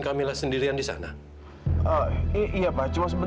kamilah menjaga taufan